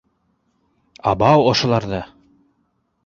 Абау ошоларҙы!